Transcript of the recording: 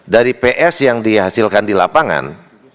dari ps yang dihasilkan di lapangan